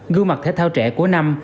gương mặt thể thao trẻ của năm